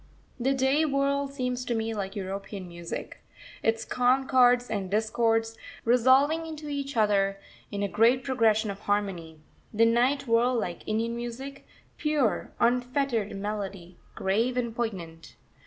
The day world seems to me like European Music its concords and discords resolving into each other in a great progression of harmony; the night world like Indian Music pure, unfettered melody, grave and poignant.